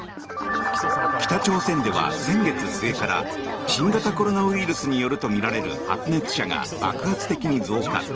北朝鮮では先月末から新型コロナウイルスによるとみられる発熱者が爆発的に増加。